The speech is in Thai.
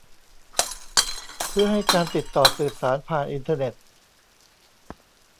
เพื่อให้การติดต่อสื่อสารผ่านอินเทอร์เน็ต